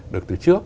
được từ trước